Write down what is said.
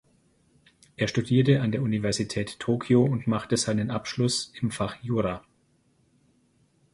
Er studierte an der Universität Tokio und machte seinen Abschluss im Fach Jura.